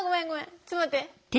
ちょっと待って。